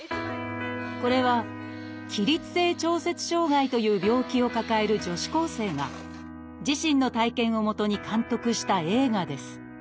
これは「起立性調節障害」という病気を抱える女子高生が自身の体験をもとに監督した映画です